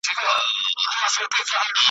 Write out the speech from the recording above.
خو یو څوک به دي پر څنګ اخلي ګامونه `